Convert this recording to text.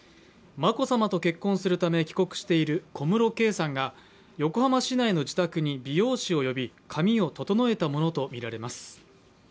眞子さまと結婚するため帰国している小室圭さんが横浜市内の自宅に美容師を呼び、髪を整えたものとみられます。